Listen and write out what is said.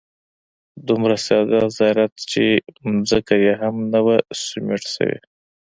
دومره ساده زیارت چې ځمکه یې هم نه وه سیمټ شوې.